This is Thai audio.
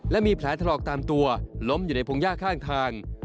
และมีแผลถลอกตามตัวล้มอยู่ในพงหญ้าข้างทาง